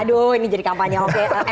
aduh ini jadi kampanye